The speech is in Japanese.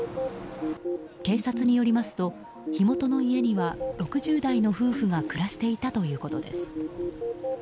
警察によりますと火元の家には６０代の夫婦が暮らしていたということです。